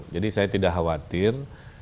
jadi saya tidak khawatir